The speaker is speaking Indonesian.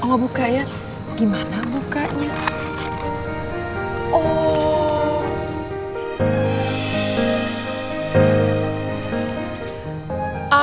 oh gak buka ya gimana bukanya